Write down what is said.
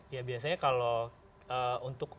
ya biasanya kalau untuk